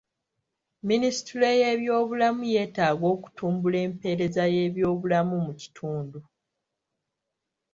Minisitule y'ebyobulamu yeetaaga okutumbula empeereza y'ebyobulamu mu kitundu.